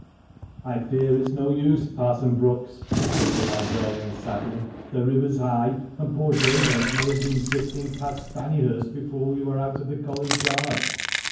" I fear it's no use, Parson Brookes," said the librarian sadly ;" the river's high, and poor Jabez may have been drifting past Stannyhurst before we were out of the College Yard."